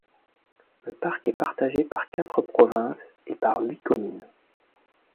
Le parc est partagé par quatre provinces et par huit communes.